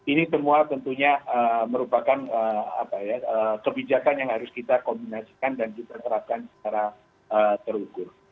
ini semua tentunya merupakan kebijakan yang harus kita kombinasikan dan kita terapkan secara terukur